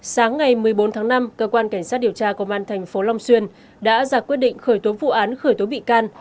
sáng ngày một mươi bốn tháng năm cơ quan cảnh sát điều tra công an tp long xuyên đã ra quyết định khởi tố vụ án khởi tố bị can